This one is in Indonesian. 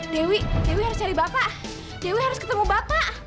dewi dewi harus cari bapak dewi harus ketemu bapak